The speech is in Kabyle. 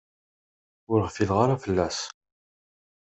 Ur ɣfileɣ ara fell-as.